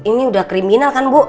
ini udah kriminal kan bu